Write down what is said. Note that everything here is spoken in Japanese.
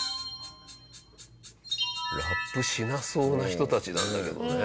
ラップしなそうな人たちなんだけどね。